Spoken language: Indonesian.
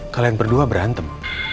kalian berdua berantem